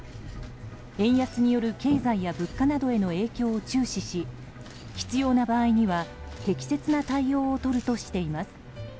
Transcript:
円安による経済や物価などへの影響を注視し必要な場合には適切な対応を取るとしています。